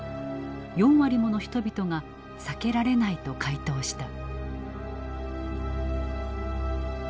４割もの人々が「避けられない」と回答した。